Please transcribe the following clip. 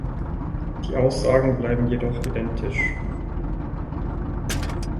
Die Aussagen bleiben jedoch identisch.